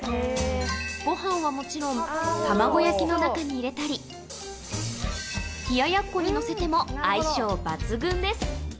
ごはんはもちろん、卵焼きの中に入れたり、冷ややっこに載せても相性抜群です。